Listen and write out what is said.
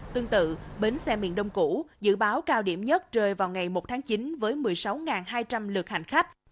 tương tự bến xe miền đông củ dự báo cao điểm nhất rơi vào ngày một tháng chín với một mươi sáu hai trăm linh lượt hành khách